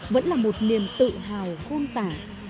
vẫn là một niềm tự hào khôn tả